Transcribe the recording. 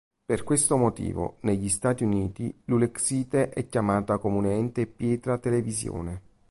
Per questo motivo negli Stati Uniti l'ulexite è chiamata comunemente pietra televisione.